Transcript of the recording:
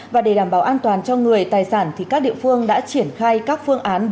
và để đảm bảo an toàn cho người tài sản thì các địa phương đã triển khai các phương án